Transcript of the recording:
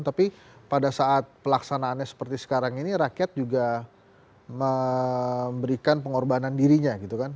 tapi pada saat pelaksanaannya seperti sekarang ini rakyat juga memberikan pengorbanan dirinya gitu kan